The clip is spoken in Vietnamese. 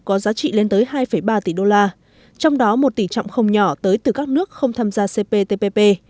có giá trị lên tới hai ba tỷ đô la trong đó một tỷ trọng không nhỏ tới từ các nước không tham gia cptpp